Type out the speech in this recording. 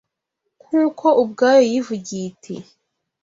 nk’uko ubwayo yivugiye iti,